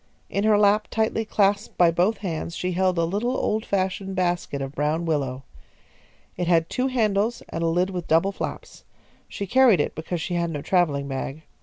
In her lap, tightly clasped by both hands, she held a little old fashioned basket of brown willow. It had two handles and a lid with double flaps. She carried it because she had no travelling bag.